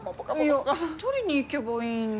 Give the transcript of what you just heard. いや取りに行けばいいんじゃ。